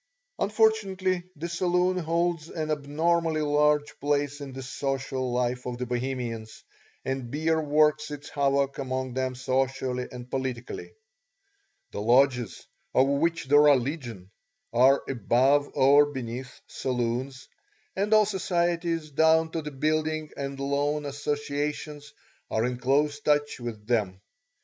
Unfortunately the saloon holds an abnormally large place in the social life of the Bohemians, and beer works its havoc among them socially and politically. The lodges, of which there are legion, are above or beneath saloons, and all societies down to the building and loan associations are in close touch with them.